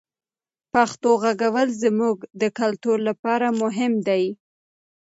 پښتو غږول زموږ د کلتور لپاره مهم دی.